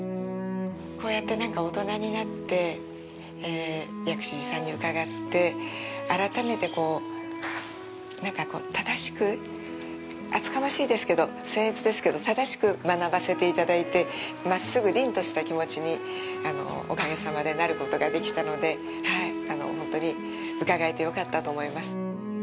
こうやって、なんか、大人になって薬師寺さんに伺って、改めて、こう、なんか、正しく、厚かましいですけど、僣越ですけど、正しく学ばせていただいて、真っ直ぐ、凛とした気持ちに、おかげさまでなることができたので、本当に伺えてよかったと思います。